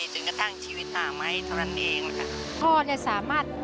สวัสดีครับ